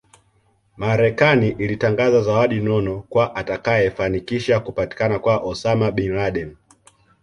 Marekani ilitangaza zawadi nono kwa atakayefanikisha kupatikana kwa Osama Bin Laden